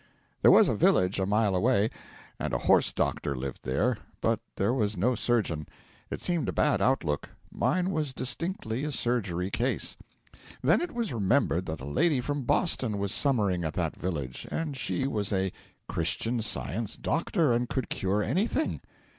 There was a village a mile away, and a horse doctor lived there, but there was no surgeon. It seemed a bad outlook; mine was distinctly a surgery case. Then it was remembered that a lady from Boston was summering in that village, and she was a Christian Science doctor and could cure anything.